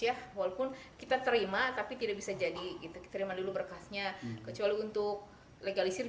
ya walaupun kita terima tapi tidak bisa jadi kita terima dulu berkasnya kecuali untuk legalisir